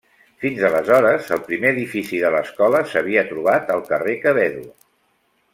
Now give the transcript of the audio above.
Fins aleshores, el primer edifici de l'escola s'havia trobat al carrer Quevedo.